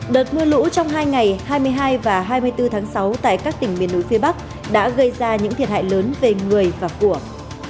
đợt mưa lũ trong hai ngày hai mươi hai và hai mươi bốn tháng sáu tại các tỉnh miền núi phía bắc đã gây ra những thiệt hại lớn về người và của